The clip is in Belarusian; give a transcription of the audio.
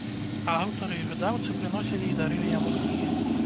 А аўтары і выдаўцы прыносілі і дарылі яму кнігі.